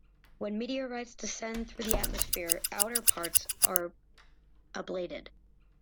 When meteorites descend through the atmosphere outer parts are ablated.